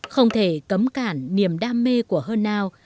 không thể cấm cản niềm đam mê của hơn aio